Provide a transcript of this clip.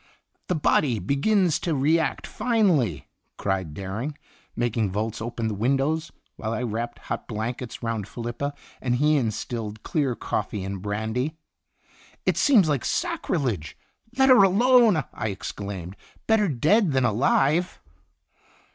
"The body begins to react finely," cried Dering, making Volz open the windows, while I wrapped hot blankets round Felipa, and he instilled clear coffee and brandy. "It seems like sacrilege! Let her alone!" I exclaimed. " Better dead than alive